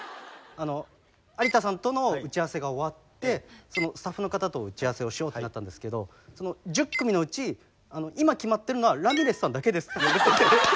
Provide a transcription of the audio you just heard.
有田さんとの打ち合わせが終わってスタッフの方と打ち合わせをしようってなったんですけど１０組のうち今決まってるのはラミレスさんだけですって言われて。